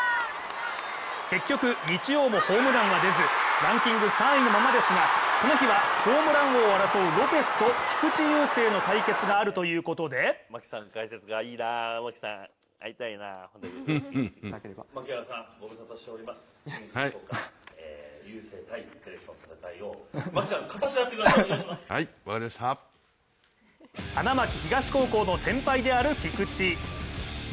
結局日曜もホームランは出ずランキング３位のままですがこの日はホームラン王を争うペレスと菊池雄星の対決があるということで花巻東高校の先輩である菊池。